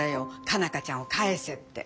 佳奈花ちゃんを返せって。